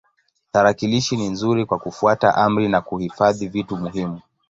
Tarakilishi ni nzuri kwa kufuata amri na kuhifadhi vitu muhimu.